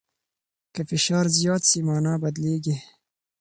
که فشار زیات سي، مانا بدلیږي.